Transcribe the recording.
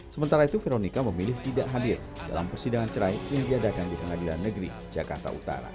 sementara itu veronica memilih tidak hadir dalam persidangan cerai yang diadakan di pengadilan negeri jakarta utara